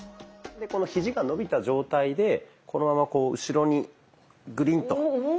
このひじが伸びた状態でこのままこう後ろにぐりんといけるところ。